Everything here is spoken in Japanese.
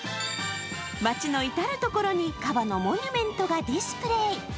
町の至る所にカバのモニュメントがディスプレー。